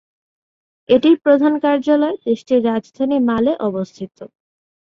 এটির প্রধান কার্যালয় দেশটির রাজধানী মালে অবস্থিত।